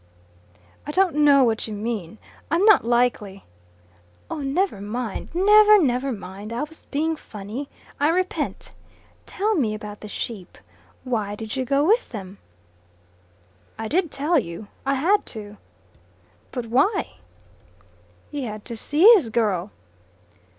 "I don't know what you mean. I'm not likely " "Oh, never mind never, never mind. I was being funny. I repent. Tell me about the sheep. Why did you go with them?" "I did tell you. I had to." "But why?" "He had to see his girl."